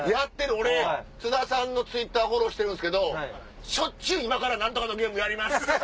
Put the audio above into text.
俺津田さんのＴｗｉｔｔｅｒフォローしてるんすけどしょっちゅう「今から○○のゲームやります！」。